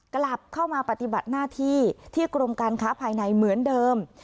กลับเข้ามาปฏิบัติหน้าที่ที่กรมการค้าภายในเหมือนเดิม